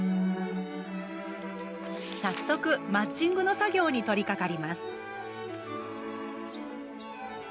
早速、マッチングの作業に取りかかります。